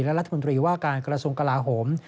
และรัฐมนตรีว่าการกระทรวงกลาโหม